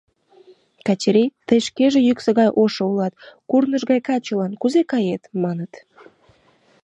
— Качырий, тый шкеже йӱксӧ гай ошо улат, курныж гай качылан кузе кает? — маныт.